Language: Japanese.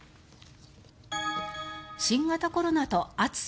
新型コロナと暑さ。